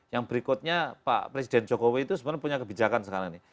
yang berikutnya pak presiden jokowi itu sebenarnya punya kebijakan sekarang ini